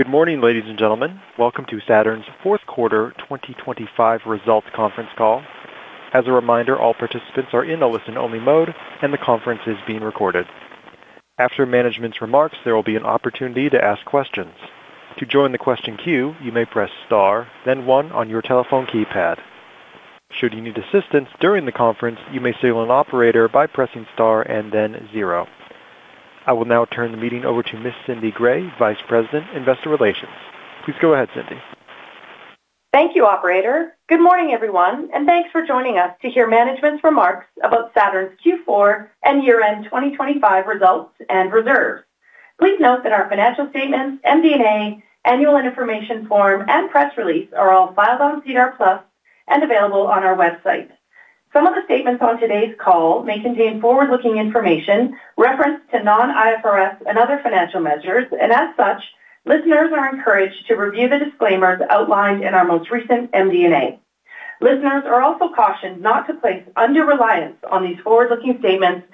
Good morning, ladies and gentlemen. Welcome to Saturn's Fourth Quarter 2025 Results Conference Call. As a reminder, all participants are in a listen-only mode, and the conference is being recorded. After management's remarks, there will be an opportunity to ask questions. To join the question queue, you may press star, then one on your telephone keypad. Should you need assistance during the conference, you may signal an operator by pressing star and then zero. I will now turn the meeting over to Miss Cindy Gray, Vice President, Investor Relations. Please go ahead, Cindy. Thank you, operator. Good morning, everyone, and thanks for joining us to hear management's remarks about Saturn's Q4 and Year-End 2025 Results and Reserves. Please note that our financial statements, MD&A, annual and information form, and press release are all filed on SEDAR+ and available on our website. Some of the statements on today's call may contain forward-looking information, reference to non-IFRS and other financial measures. As such, listeners are encouraged to review the disclaimers outlined in our most recent MD&A. Listeners are also cautioned not to place undue reliance on these forward-looking statements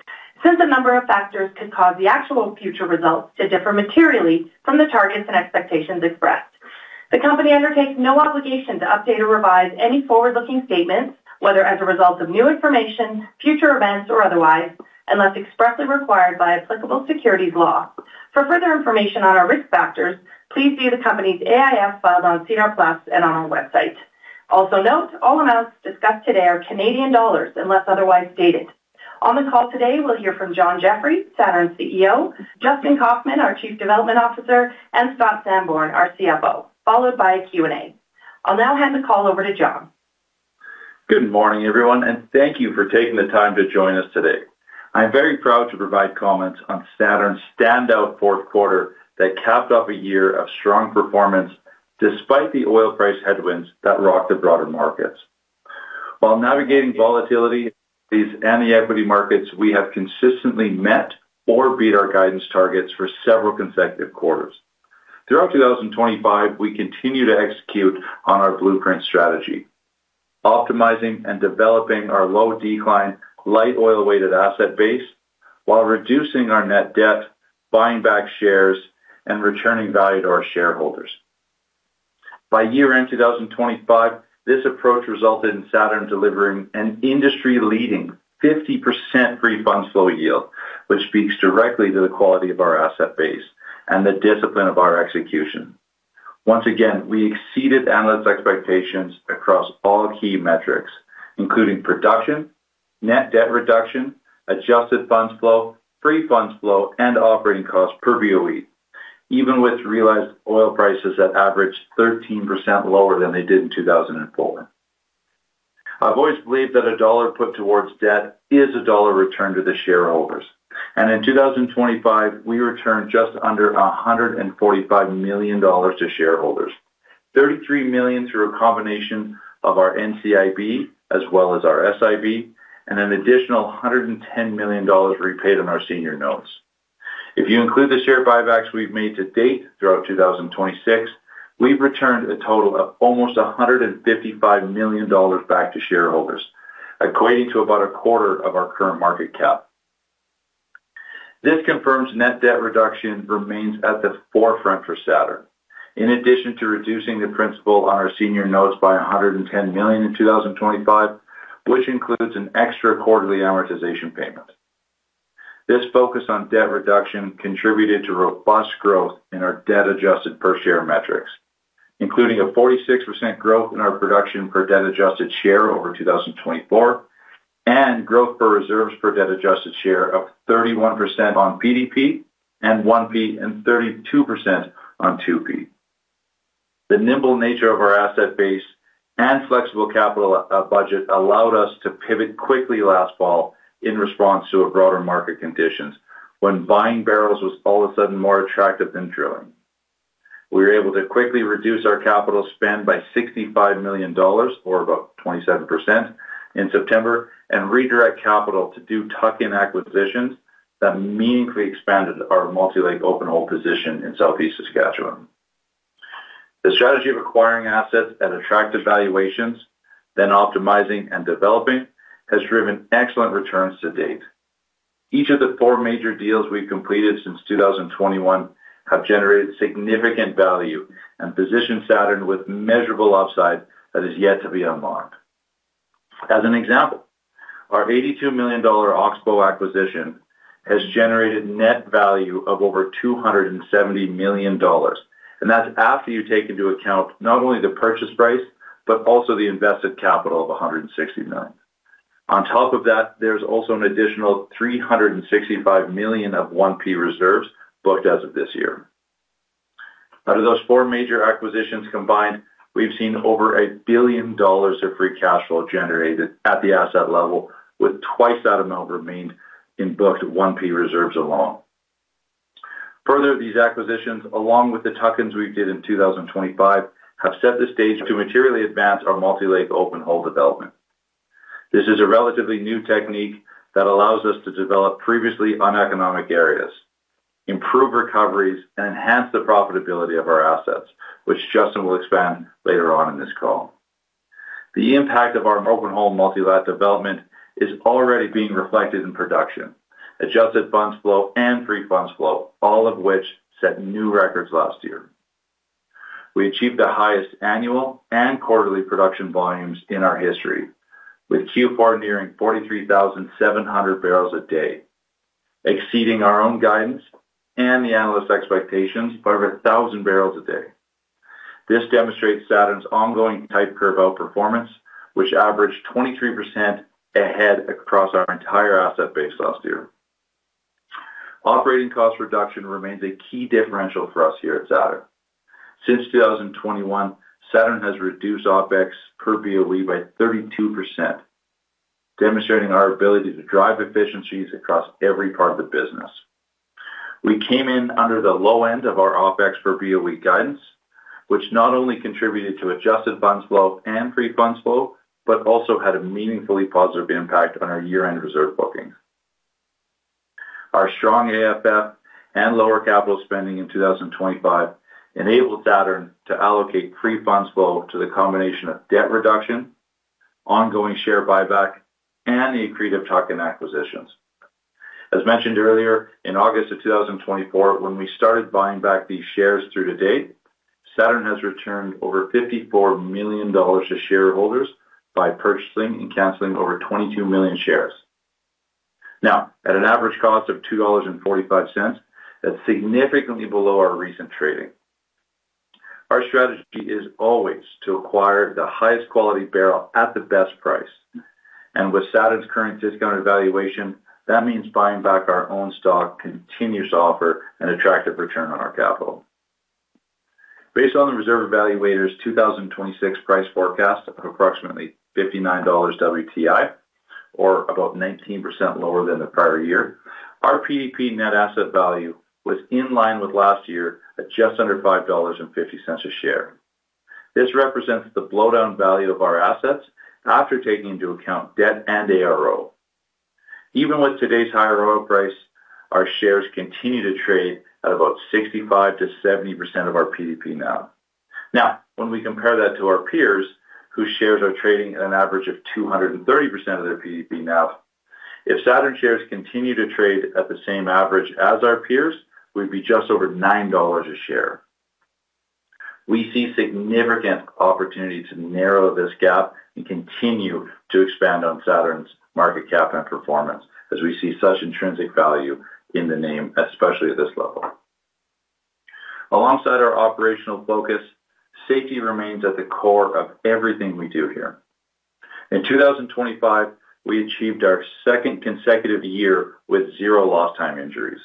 since a number of factors could cause the actual future results to differ materially from the targets and expectations expressed. The company undertakes no obligation to update or revise any forward-looking statements, whether as a result of new information, future events, or otherwise, unless expressly required by applicable securities law. For further information on our risk factors, please view the company's AIF filed on SEDAR+ and on our website. Also note all amounts discussed today are Canadian dollars unless otherwise stated. On the call today, we'll hear from John Jeffrey, Saturn's CEO, Justin Kaufmann, our Chief Development Officer, and Scott Sanborn, our CFO, followed by a Q&A. I'll now hand the call over to John. Good morning, everyone, and thank you for taking the time to join us today. I'm very proud to provide comments on Saturn's standout fourth quarter that capped off a year of strong performance despite the oil price headwinds that rocked the broader markets. While navigating volatility, these uncertain equity markets, we have consistently met or beat our guidance targets for several consecutive quarters. Throughout 2025, we continue to execute on our blueprint strategy, optimizing and developing our low-decline, light oil-weighted asset base while reducing our net debt, buying back shares, and returning value to our shareholders. By year-end 2025, this approach resulted in Saturn delivering an industry-leading 50% free cash flow yield, which speaks directly to the quality of our asset base and the discipline of our execution. Once again, we exceeded analysts' expectations across all key metrics, including production, net debt reduction, adjusted funds flow, free funds flow, and operating costs per BOE, even with realized oil prices that averaged 13% lower than they did in 2004. I've always believed that a dollar put towards debt is a dollar returned to the shareholders. In 2025, we returned just under 145 million dollars to shareholders, 33 million through a combination of our NCIB as well as our SIB, and an additional 110 million dollars repaid on our senior notes. If you include the share buybacks we've made to date throughout 2026, we've returned a total of almost 155 million dollars back to shareholders, equating to about a quarter of our current market cap. This confirms net debt reduction remains at the forefront for Saturn. In addition to reducing the principal on our senior notes by 110 million in 2025, which includes an extra quarterly amortization payment. This focus on debt reduction contributed to robust growth in our debt-adjusted per share metrics, including a 46% growth in our production per debt-adjusted share over 2024, and growth in reserves per debt-adjusted share of 31% on PDP and 1P and 32% on 2P. The nimble nature of our asset base and flexible capital budget allowed us to pivot quickly last fall in response to a broader market conditions when buying barrels was all of a sudden more attractive than drilling. We were able to quickly reduce our capital spend by 65 million dollars or about 27% in September and redirect capital to do tuck-in acquisitions that meaningfully expanded our multilateral open hole position in Southeast Saskatchewan. The strategy of acquiring assets at attractive valuations, then optimizing and developing, has driven excellent returns to date. Each of the four major deals we've completed since 2021 have generated significant value and positioned Saturn with measurable upside that is yet to be unlocked. As an example, our 82 million dollar Oxbow acquisition has generated net value of over 270 million dollars, and that's after you take into account not only the purchase price but also the invested capital of 160 million. On top of that, there's also an additional 365 million of 1P reserves booked as of this year. Out of those four major acquisitions combined, we've seen over 1 billion dollars of free cash flow generated at the asset level, with twice that amount remaining in booked 1P reserves alone. Further, these acquisitions, along with the tuck-ins we did in 2025, have set the stage to materially advance our multilateral open hole development. This is a relatively new technique that allows us to develop previously uneconomic areas, improve recoveries, and enhance the profitability of our assets, which Justin will expand later on in this call. The impact of our open hole multi-lat development is already being reflected in production, adjusted funds flow, and free cash flow, all of which set new records last year. We achieved the highest annual and quarterly production volumes in our history, with Q4 nearing 43,700 bpd, exceeding our own guidance and the analyst expectations by over 1,000 bpd. This demonstrates Saturn's ongoing type curve outperformance, which averaged 23% ahead across our entire asset base last year. Operating cost reduction remains a key differential for us here at Saturn. Since 2021, Saturn has reduced OpEx per BOE by 32%, demonstrating our ability to drive efficiencies across every part of the business. We came in under the low end of our OpEx per BOE guidance, which not only contributed to adjusted funds flow and free cash flow, but also had a meaningfully positive impact on our year-end reserve bookings. Our strong AFF and lower capital spending in 2025 enabled Saturn to allocate free cash flow to the combination of debt reduction, ongoing share buyback, and the accretive tuck-in acquisitions. As mentioned earlier, in August 2024, when we started buying back these shares through to date, Saturn has returned over 54 million dollars to shareholders by purchasing and canceling over 22 million shares. Now, at an average cost of 2.45 dollars, that's significantly below our recent trading. Our strategy is always to acquire the highest quality barrel at the best price. With Saturn's current discounted valuation, that means buying back our own stock continues to offer an attractive return on our capital. Based on the reserve evaluators 2026 price forecast of approximately $59 WTI, or about 19% lower than the prior year, our PDP net asset value was in line with last year at just under 5.50 dollars a share. This represents the blowdown value of our assets after taking into account debt and ARO. Even with today's higher oil price, our shares continue to trade at about 65%-70% of our PDP NAV. When we compare that to our peers, whose shares are trading at an average of 230% of their PDP NAV, if Saturn shares continue to trade at the same average as our peers, we'd be just over 9.00 dollars a share. We see significant opportunity to narrow this gap and continue to expand on Saturn's market cap and performance as we see such intrinsic value in the name, especially at this level. Alongside our operational focus, safety remains at the core of everything we do here. In 2025, we achieved our second consecutive year with zero lost time injuries,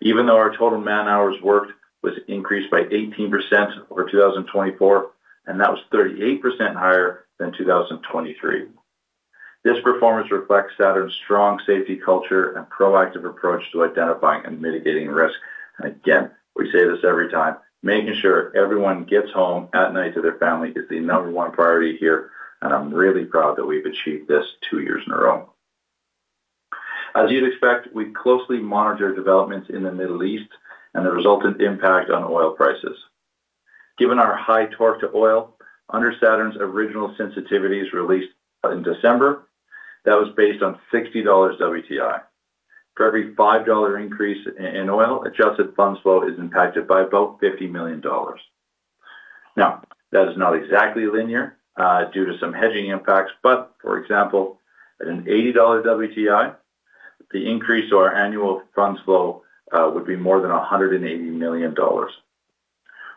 even though our total man-hours worked was increased by 18% over 2024, and that was 38% higher than 2023. This performance reflects Saturn's strong safety culture and proactive approach to identifying and mitigating risk. Again, we say this every time, making sure everyone gets home at night to their family is the number one priority here, and I'm really proud that we've achieved this two years in a row. As you'd expect, we closely monitor developments in the Middle East and the resultant impact on oil prices. Given our high torque to oil, under Saturn's original sensitivities released in December, that was based on $60 WTI. For every $5 increase in oil, adjusted funds flow is impacted by about 50 million dollars. Now, that is not exactly linear, due to some hedging impacts. But for example, at $80 WTI, the increase to our annual funds flow would be more than 180 million dollars,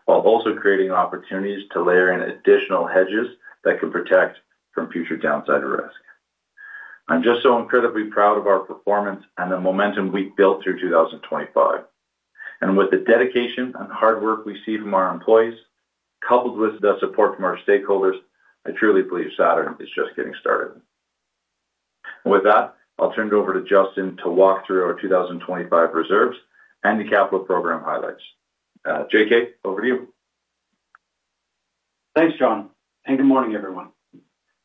while also creating opportunities to layer in additional hedges that can protect from future downside risk. I'm just so incredibly proud of our performance and the momentum we've built through 2025. With the dedication and hard work we see from our employees, coupled with the support from our stakeholders, I truly believe Saturn is just getting started. With that, I'll turn it over to Justin to walk through our 2025 reserves and the capital program highlights. J.K., over to you. Thanks, John, and good morning, everyone.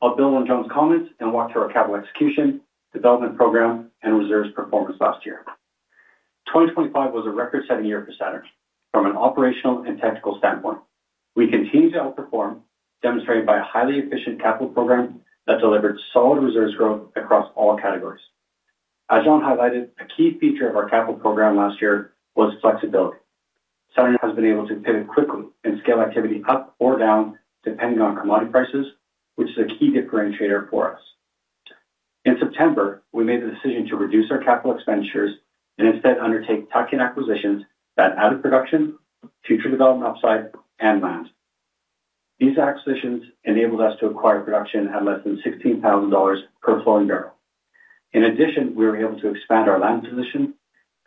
I'll build on John's comments and walk through our capital execution, development program, and reserves performance last year. 2025 was a record-setting year for Saturn from an operational and tactical standpoint. We continued to outperform, demonstrated by a highly efficient capital program that delivered solid reserves growth across all categories. As John highlighted, a key feature of our capital program last year was flexibility. Saturn has been able to pivot quickly and scale activity up or down depending on commodity prices, which is a key differentiator for us. In September, we made the decision to reduce our capital expenditures and instead undertake tuck-in acquisitions that added production, future development upside, and land. These acquisitions enabled us to acquire production at less than 16,000 dollars per flowing barrel. In addition, we were able to expand our land position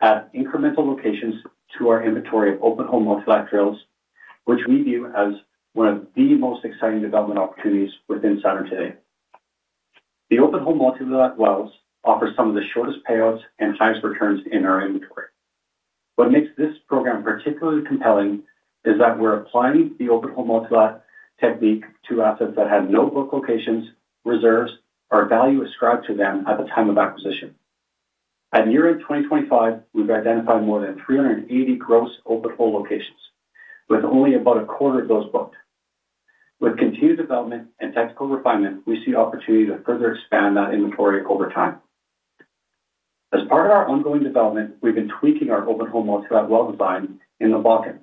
at incremental locations to our inventory of open hole multi-lat drills, which we view as one of the most exciting development opportunities within Saturn today. The open hole multi-lat wells offer some of the shortest payouts and highest returns in our inventory. What makes this program particularly compelling is that we're applying the open hole multi-lat technique to assets that have no book locations, reserves, or value ascribed to them at the time of acquisition. At year-end 2025, we've identified more than 380 gross open hole locations, with only about a quarter of those booked. With continued development and technical refinement, we see opportunity to further expand that inventory over time. As part of our ongoing development, we've been tweaking our open hole multilateral well design in the Bakken.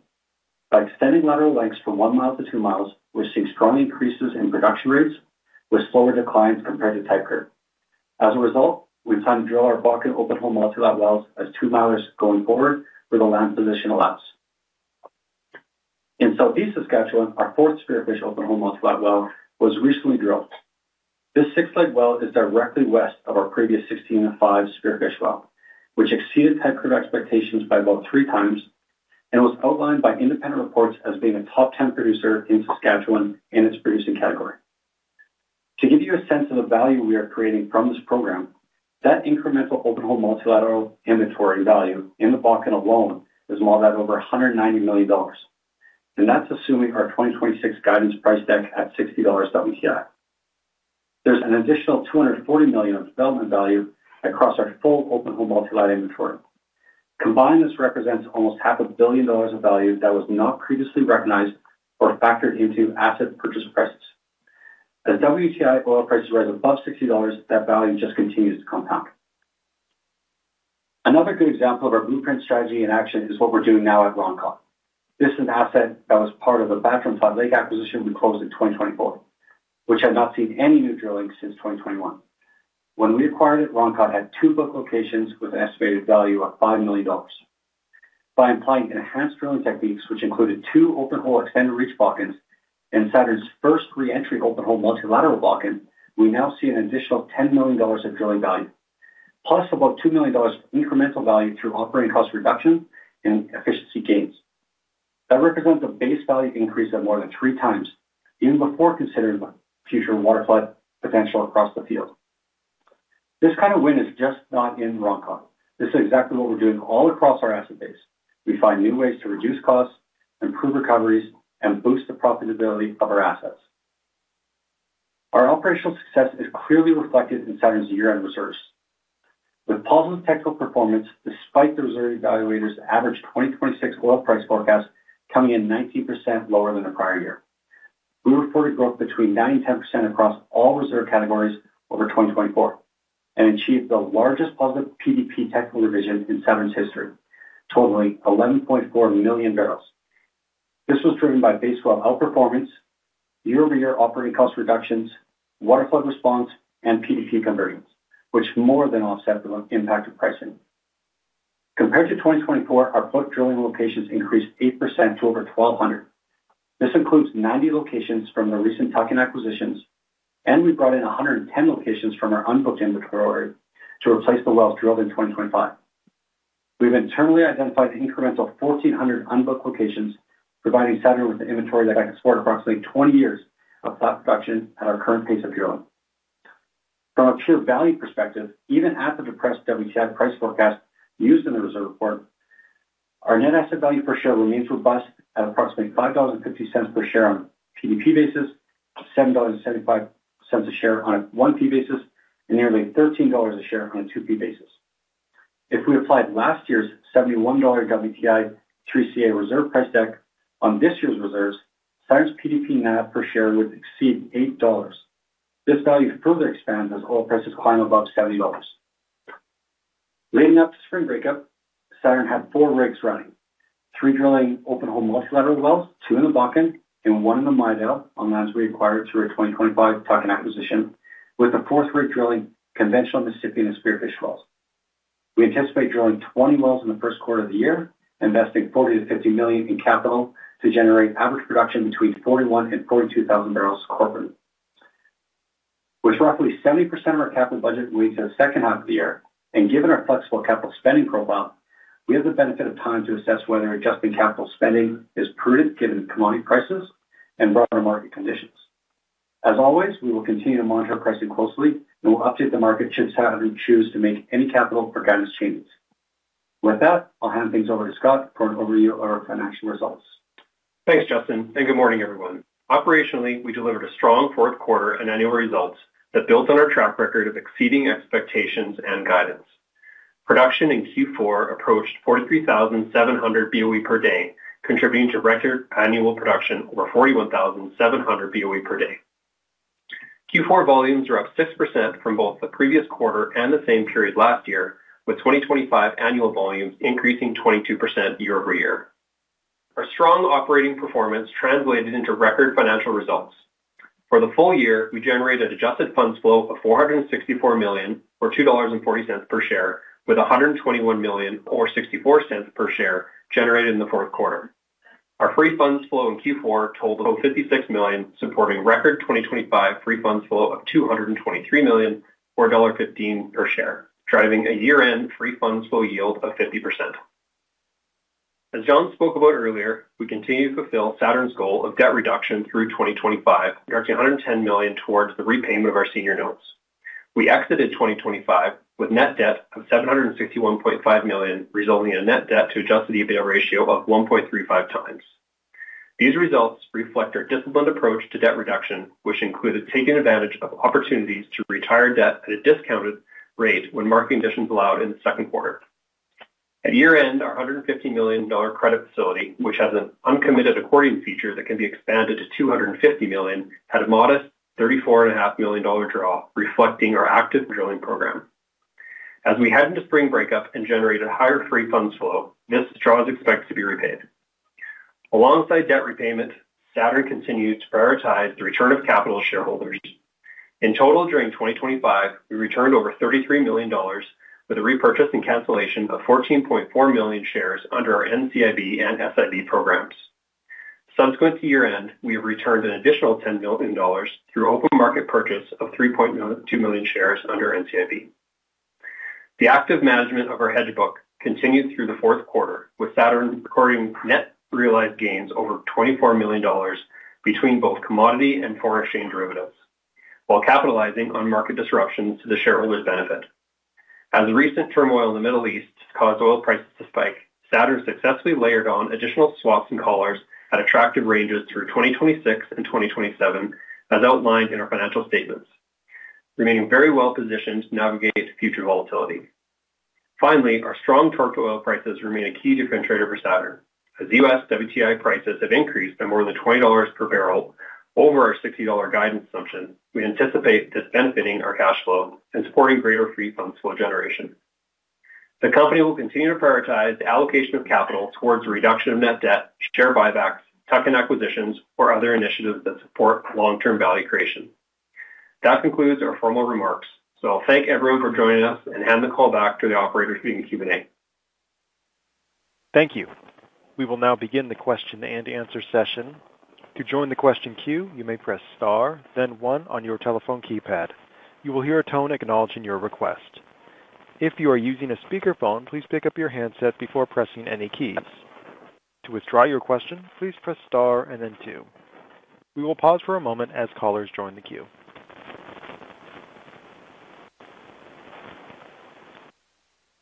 By extending lateral lengths from one mile to two miles, we're seeing strong increases in production rates with slower declines compared to type curve. As a result, we plan to drill our Bakken open hole multilateral wells as two-milers going forward where the land position allows. In Southeast Saskatchewan, our fourth Spearfish open hole multilateral well was recently drilled. This six-leg well is directly west of our previous 16-5 Spearfish well, which exceeded type curve expectations by about three times and was outlined by independent reports as being a top 10 producer in Saskatchewan in its producing category. To give you a sense of the value we are creating from this program, that incremental open hole multilateral inventory value in the Bakken alone is more than over 190 million dollars, and that's assuming our 2026 guidance price deck at $60 WTI. There's an additional 240 million of development value across our full-open hole multilateral inventory. Combined, this represents almost 500 million dollars of value that was not previously recognized or factored into asset purchase prices. As WTI oil prices rise above $60, that value just continues to compound. Another good example of our blueprint strategy in action is what we're doing now at Roncott. This is an asset that was part of the Bakkens Hot Lake acquisition we closed in 2024, which had not seen any new drilling since 2021. When we acquired it, Roncott had two booked locations with an estimated value of 5 million dollars. By applying enhanced drilling techniques, which included two open hole extended reach Bakken, and Saturn's first re-entry open hole multilateral Bakken, we now see an additional 10 million dollars of drilling value, plus about 2 million dollars incremental value through operating cost reductions and efficiency gains. That represents a base value increase of more than three times, even before considering the future waterflood potential across the field. This kind of win is just not in Roncott. This is exactly what we're doing all across our asset base. We find new ways to reduce costs, improve recoveries, and boost the profitability of our assets. Our operational success is clearly reflected in Saturn's year-end reserves. With positive technical performance, despite the reserve evaluators average 2026 oil price forecast coming in 19% lower than the prior year. We reported growth between 9% and 10% across all reserve categories over 2024 and achieved the largest positive PDP technical revision in Saturn's history, totaling 11.4 MMb. This was driven by base well outperformance, year-over-year operating cost reductions, waterflood response, and PDP conversions, which more than offset the impact of pricing. Compared to 2024, our booked drilling locations increased 8% to over 1,200. This includes 90 locations from the recent tuck-in acquisitions, and we brought in 110 locations from our unbooked inventory to replace the wells drilled in 2025. We've internally identified incremental 1,400 unbooked locations, providing Saturn with the inventory that can support approximately 20 years of flat production at our current pace of drilling. From a pure value perspective, even at the depressed WTI price forecast used in the reserve report, our net asset value per share remains robust at approximately 5.50 dollars per share on a PDP basis, 7.75 dollars a share on a 1P basis, and nearly 13.00 dollars A share on a 2P basis. If we applied last year's $71 WTI 3CA reserve price deck on this year's reserves, Saturn's PDP NAV per share would exceed 8.00 dollars. This value further expands as oil prices climb above $70. Leading up to spring breakup, Saturn had four rigs running, three drilling open hole multi-lateral wells, two in the Bakken and one in the Midale on lands we acquired through our 2025 tuck-in acquisition, with a fourth rig drilling conventional Mississippian and Spearfish wells. We anticipate drilling 20 wells in the first quarter of the year, investing 40 million-50 million in capital to generate average production between 41,000 and 42,000 bbl quarterly. With roughly 70% of our capital budget moving to the second half of the year and given our flexible capital spending profile, we have the benefit of time to assess whether adjusting capital spending is prudent given commodity prices and broader market conditions. As always, we will continue to monitor pricing closely, and we'll update the market should Saturn choose to make any capital or guidance changes. With that, I'll hand things over to Scott for an overview of our financial results. Thanks, Justin, and good morning, everyone. Operationally, we delivered a strong fourth quarter and annual results that builds on our track record of exceeding expectations and guidance. Production in Q4 approached 43,700 BOE per day, contributing to record annual production over 41,700 BOE/d. Q4 volumes are up 6% from both the previous quarter and the same period last year, with 2025 annual volumes increasing 22% year-over-year. Our strong operating performance translated into record financial results. For the full year, we generated adjusted funds flow of 464 million or 2.40 dollars per share, with 121 million or 0.64 per share generated in the fourth quarter. Our free funds flow in Q4 totaled 56 million, supporting record 2025 free funds flow of 223 million or dollar 1.15 per share, driving a year-end free funds flow yield of 50%. As John spoke about earlier, we continue to fulfill Saturn's goal of debt reduction through 2025, directing 110 million towards the repayment of our senior notes. We exited 2025 with net debt of 761.5 million, resulting in a net debt to adjusted EBITDA ratio of 1.35x. These results reflect our disciplined approach to debt reduction, which included taking advantage of opportunities to retire debt at a discounted rate when market conditions allowed in the second quarter. At year-end, our 150 million dollar credit facility, which has an uncommitted accordion feature that can be expanded to 250 million, had a modest 34.5 million dollar draw, reflecting our active drilling program. As we head into spring breakup and generate a higher free funds flow, this draw is expected to be repaid. Alongside debt repayment, Saturn continued to prioritize the return of capital to shareholders. In total, during 2025, we returned over 33 million dollars with a repurchase and cancellation of 14.4 million shares under our NCIB and SIB programs. Subsequent to year-end, we have returned an additional 10 million dollars through open market purchase of 3.2 million shares under NCIB. The active management of our hedge book continued through the fourth quarter, with Saturn recording net realized gains over 24 million dollars between both commodity and foreign exchange derivatives, while capitalizing on market disruptions to the shareholders' benefit. As the recent turmoil in the Middle East has caused oil prices to spike, Saturn successfully layered on additional swaps and collars at attractive ranges through 2026 and 2027, as outlined in our financial statements, remaining very well positioned to navigate future volatility. Finally, our strong torque to oil prices remain a key differentiator for Saturn. As U.S. WTI prices have increased by more than $20 per barrel over our $60 guidance assumption, we anticipate this benefiting our cash flow and supporting greater free cash flow generation. The company will continue to prioritize the allocation of capital towards the reduction of net debt, share buybacks, tuck-in acquisitions, or other initiatives that support long-term value creation. That concludes our formal remarks. I'll thank everyone for joining us and hand the call back to the operator for Q&A. Thank you. We will now begin the question-and-answer session. To join the question queue, you may press star, then one on your telephone keypad. You will hear a tone acknowledging your request. If you are using a speakerphone, please pick up your handset before pressing any keys. To withdraw your question, please press star and then two. We will pause for a moment as callers join the queue.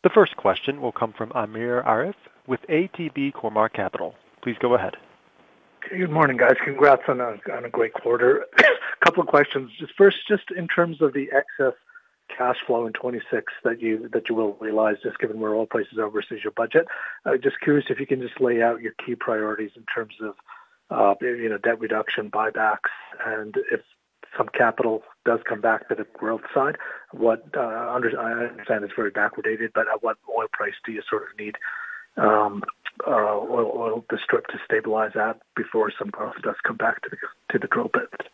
The first question will come from Amir Arif with ATB Capital Markets. Please go ahead. Good morning, guys. Congrats on a great quarter. A couple of questions. Just first, just in terms of the excess cash flow in 2026 that you will realize, just given we're outpacing your budget. I'm just curious if you can just lay out your key priorities in terms of, you know, debt reduction, buybacks, and if some capital does come back to the growth side, what, I understand it's very backwardated, but at what oil price do you sort of need to stabilize at before some capital does come back to the drill bit?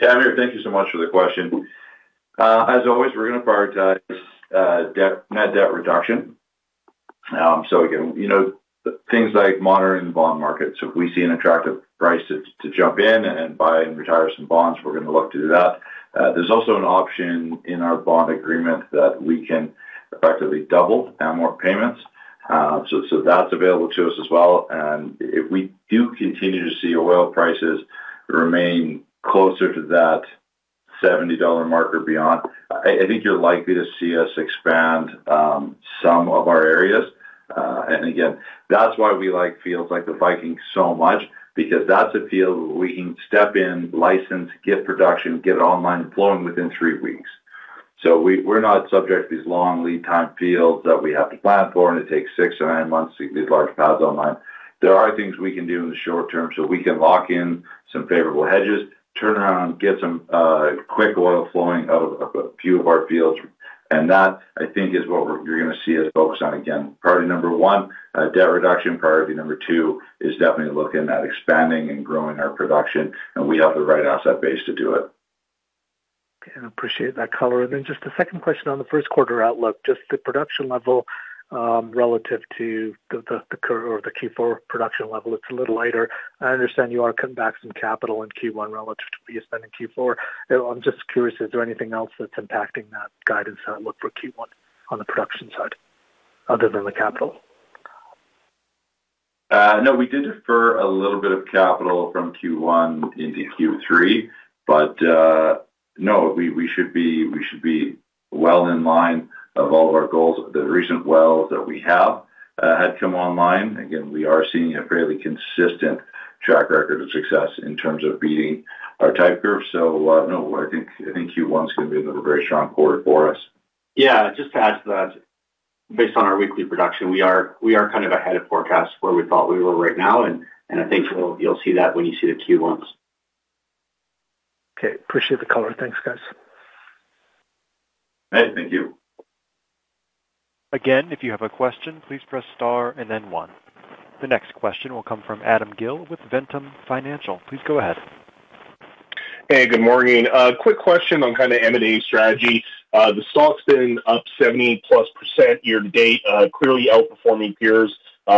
Yeah, Amir, thank you so much for the question. As always, we're gonna prioritize debt, net debt reduction. Again, you know, things like monitoring the bond market. If we see an attractive price to jump in and buy and retire some bonds, we're gonna look to do that. There's also an option in our bond agreement that we can effectively double our more payments. That's available to us as well. If we do continue to see oil prices remain closer to that $70 mark or beyond, I think you're likely to see us expand some of our areas. Again, that's why we like fields like the Viking so much, because that's a field we can step in, license, get production, get it online and flowing within three weeks. We're not subject to these long lead time fields that we have to plan for, and it takes six or nine months to get these large pads online. There are things we can do in the short term, so we can lock in some favorable hedges, turn around, get some quick oil flowing out of a few of our fields. That, I think, is what you're gonna see us focus on. Again, priority number one, debt reduction. Priority number two is definitely looking at expanding and growing our production, and we have the right asset base to do it. Okay. I appreciate that color. Just a second question on the first quarter outlook, just the production level, relative to the Q4 production level. It's a little lighter. I understand you are cutting back some capital in Q1 relative to what you spent in Q4. I'm just curious, is there anything else that's impacting that guidance outlook for Q1 on the production side other than the capital? No, we did defer a little bit of capital from Q1 into Q3, but no, we should be well in line of all of our goals. The recent wells that we have had come online. Again, we are seeing a fairly consistent track record of success in terms of beating our type curve. No, I think Q1 is gonna be another very strong quarter for us. Yeah. Just to add to that, based on our weekly production, we are kind of ahead of forecast where we thought we were right now, and I think you'll see that when you see the Q1s. Okay. Appreciate the color. Thanks, guys. Hey, thank you. Again, if you have a question, please press star and then one. The next question will come from Adam Gill with Ventum Financial. Please go ahead. Hey, good morning. A quick question on kind of M&A strategy. The stock's been up 70%+ year-to-date, clearly outperforming peers.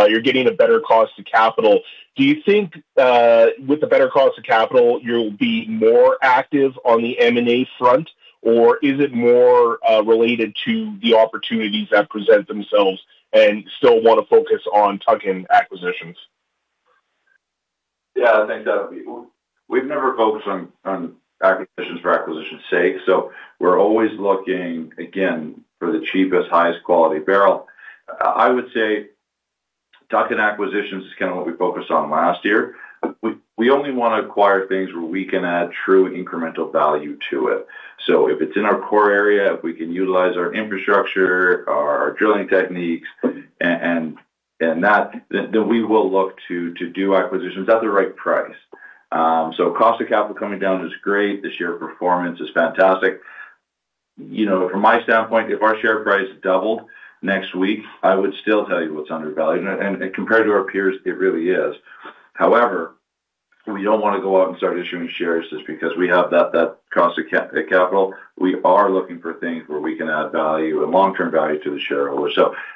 You're getting a better cost to capital. Do you think, with a better cost to capital, you'll be more active on the M&A front, or is it more related to the opportunities that present themselves and still wanna focus on tuck-in acquisitions? Yeah, I think we've never focused on acquisitions for acquisition's sake. We're always looking, again, for the cheapest, highest quality barrel. I would say tuck-in acquisitions is kinda what we focused on last year. We only wanna acquire things where we can add true incremental value to it. If it's in our core area, if we can utilize our infrastructure, our drilling techniques, and that, then we will look to do acquisitions at the right price. Cost of capital coming down is great. The share performance is fantastic. You know, from my standpoint, if our share price doubled next week, I would still tell you it's undervalued. And compared to our peers, it really is. However, we don't wanna go out and start issuing shares just because we have that cost of capital. We are looking for things where we can add value and long-term value to the shareholder.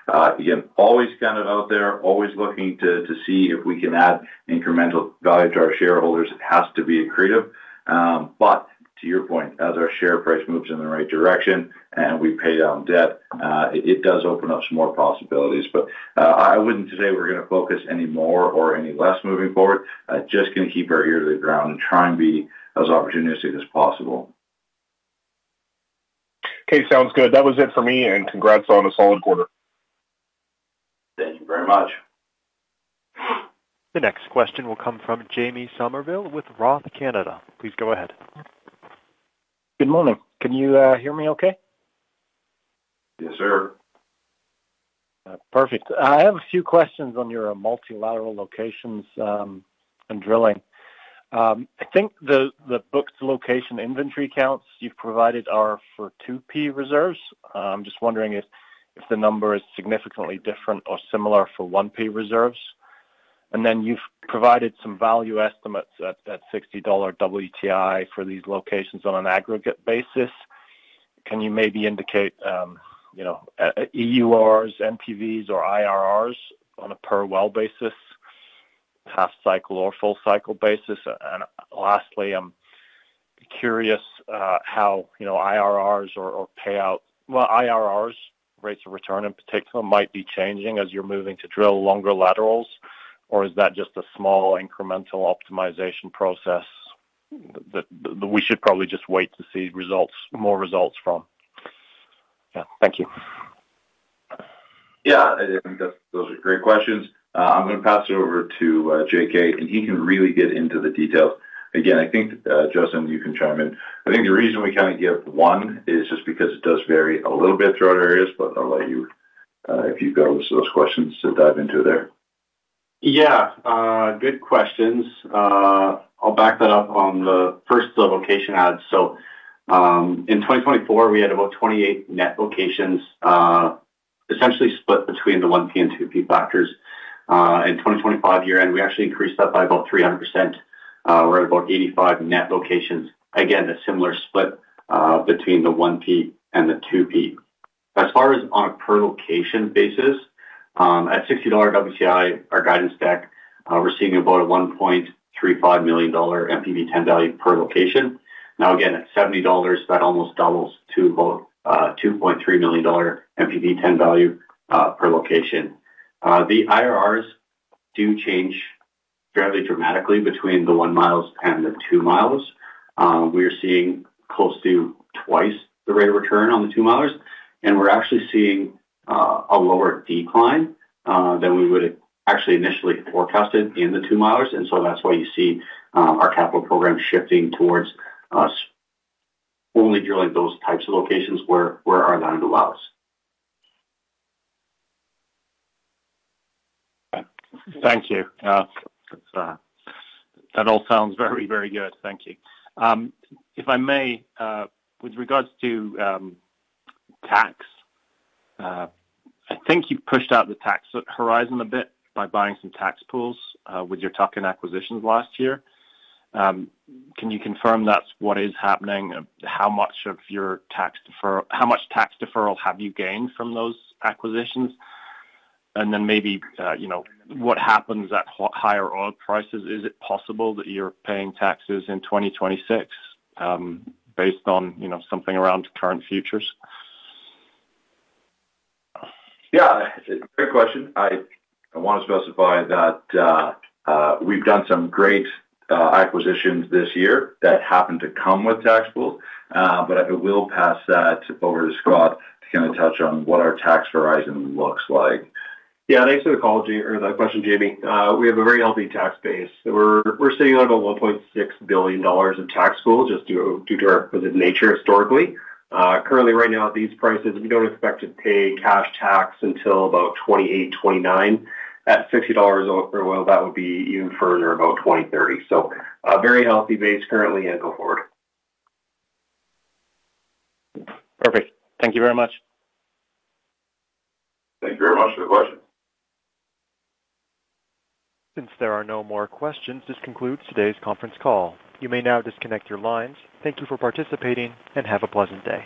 Again, always kind of out there, always looking to see if we can add incremental value to our shareholders. It has to be accretive. To your point, as our share price moves in the right direction and we pay down debt, it does open up some more possibilities. I wouldn't say we're gonna focus any more or any less moving forward. Just gonna keep our ear to the ground and try and be as opportunistic as possible. Okay, sounds good. That was it for me. Congrats on a solid quarter. Thank you very much. The next question will come from Jamie Somerville with Roth Canada. Please go ahead. Good morning. Can you hear me okay? Yes, sir. Perfect. I have a few questions on your multilateral locations and drilling. I think the booked location inventory counts you've provided are for 2P reserves. Just wondering if the number is significantly different or similar for 1P reserves. You've provided some value estimates at $60 WTI for these locations on an aggregate basis. Can you maybe indicate you know EURs, NPVs or IRRs on a per well basis, half-cycle or full-cycle basis? Lastly, I'm curious how you know IRRs or payout. Well, IRRs rates of return in particular might be changing as you're moving to drill longer laterals, or is that just a small incremental optimization process that we should probably just wait to see more results from? Yeah. Thank you. Yeah, I think that's those are great questions. I'm gonna pass it over to J.K., and he can really get into the detail. Again, I think, Justin, you can chime in. I think the reason we kinda give one is just because it does vary a little bit throughout areas, but I'll let you, if you've got those questions to dive into there. Yeah, good questions. I'll back that up on the first location add. In 2024, we had about 28 net locations, essentially split between the 1P and 2P factors. In 2025 year-end, we actually increased that by about 300%. We're at about 85 net locations. Again, a similar split between the 1P and the 2P. As far as on a per location basis, at $60 WTI, our guidance stack, we're seeing about 1.35 million dollar NPV10 value per location. Now again, at $70, that almost doubles to about 2.3 million dollar NPV10 value per location. The IRRs do change fairly dramatically between the 1 mi and the 2 mi. We are seeing close to twice the rate of return on the 2 mi, and we're actually seeing a lower decline than we would actually initially forecasted in the 2 mi. That's why you see our capital program shifting towards us only drilling those types of locations where our land allows. Thank you. That's very good. Thank you. If I may, with regards to tax, I think you pushed out the tax horizon a bit by buying some tax pools with your tuck-in acquisitions last year. Can you confirm that's what is happening? How much tax deferral have you gained from those acquisitions? Maybe, you know, what happens at higher oil prices? Is it possible that you're paying taxes in 2026, based on, you know, something around current futures? Yeah, great question. I wanna specify that we've done some great acquisitions this year that happen to come with tax pools. I will pass that over to Scott to kinda touch on what our tax horizon looks like. Yeah, thanks for the call or the question, Jamie. We have a very healthy tax base. We're sitting on about 1.6 billion dollars in tax pools just due to our nature historically. Currently right now at these prices, we don't expect to pay cash tax until about 2028-2029. At $60 oil, that would be even further, about 2030. A very healthy base currently and go forward. Perfect. Thank you very much. Thank you very much for the question. Since there are no more questions, this concludes today's conference call. You may now disconnect your lines. Thank you for participating, and have a pleasant day.